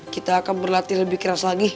kita akan berlatih lebih keras lagi